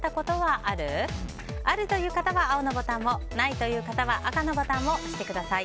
あるという方は青のボタンをないという方は赤のボタンを押してください。